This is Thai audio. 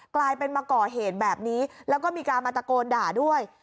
กลายเป็นมาก่อเหตุแบบนี้แล้วก็มีการมาตะโกนด่าด้วย